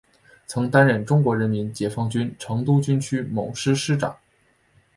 曾担任中国人民解放军成都军区某师师长。